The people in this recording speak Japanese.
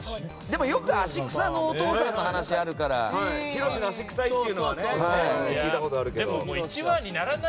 でもよく足クサのお父さんの話あるからひろしが足クサいっていうのは聞いたことあるからね。